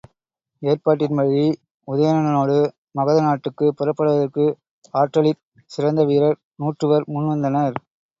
ஏற்பாட்டின்படி உதயணனோடு மகதநாட்டுக்குப் புறப்படுவதற்கு ஆற்றலிற் சிறந்த வீரர் நூற்றுவர் முன்வந்தனர்.